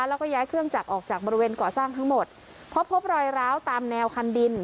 แล้วก็ย้ายเครื่องจักรออกจากบริเวณก่อสร้างทั้งหมดเพราะพบรอยร้าวตามแนวคันดิน